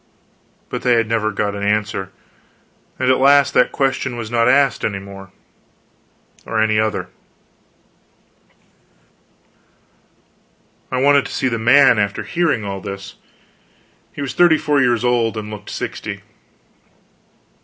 But they had never got an answer; and at last that question was not asked any more or any other. I wanted to see the man, after hearing all this. He was thirty four years old, and looked sixty.